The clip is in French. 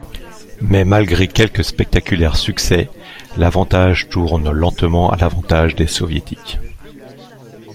Mais malgré quelques spectaculaires succès, l'avantage tourne lentement à l'avantage des Soviétiques.